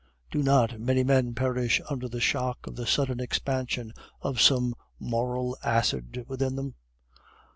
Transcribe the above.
Do not many men perish under the shock of the sudden expansion of some moral acid within them?